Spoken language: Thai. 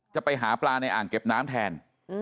จะไปหาปลาในอ่างเก็บน้ำแทน